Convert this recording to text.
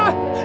paham pak rw